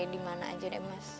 dimana aja deh mas